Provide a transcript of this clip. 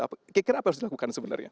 kira kira apa yang harus dilakukan sebenarnya